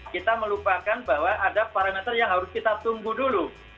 kita melupakan bahwa ada parameter yang harus kita tunggu dulu